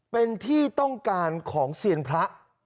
เป็นที่ต้องการของเซียนพระ